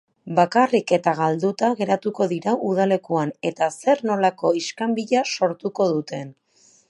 Bakarrik eta galduta geratuko dira udalekuan, eta zer-nolako iskanbila sortuko duten!